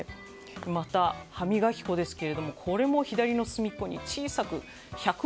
また、歯磨き粉ですがこれも左の隅っこに小さく、１１６ｇと。